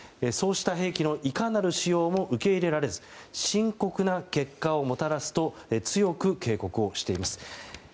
そうした兵器のいかなる使用も受け入れられず深刻な結果をもたらすと強く警告しています。